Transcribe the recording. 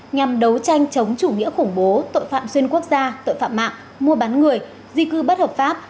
nhằm đấu tranh chống chủ nghĩa khủng bố tội phạm xuyên quốc gia tội phạm mạng mua bán người di cư bất hợp pháp